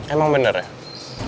emang bener ya